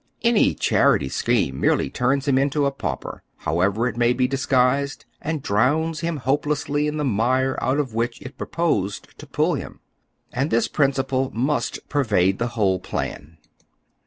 Any charity scheme merely turns him into a pau per, however it may be disguised, and drowns him hope lessly in the mire out of which it proposed to pull him. And this principle must pervade the whole plan.